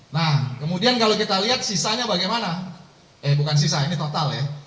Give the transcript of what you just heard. nah kemudian kalau kita lihat sisanya bagaimana eh bukan sisa ini total ya